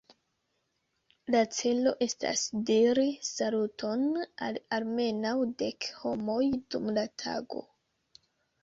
La celo estas diri saluton al almenaŭ dek homoj dum la tago.